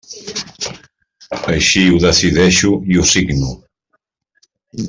Així ho decideixo i ho signo.